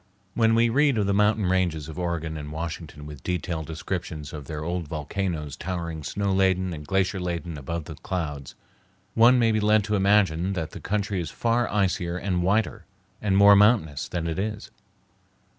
When we read of the mountain ranges of Oregon and Washington with detailed descriptions of their old volcanoes towering snow laden and glacier laden above the clouds, one may be led to imagine that the country is far icier and whiter and more mountainous than it is.